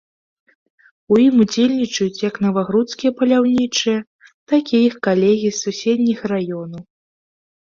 У ім удзельнічаюць як навагрудскія паляўнічыя, так і іх калегі з суседніх раёнаў.